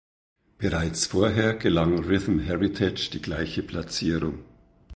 Bereits vorher gelang Rhythm Heritage die gleiche Platzierung.